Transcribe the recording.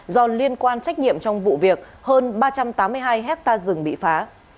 do liên quan trách nhiệm trong vụ việc hơn ba trăm tám mươi hai hectare rừng bị phá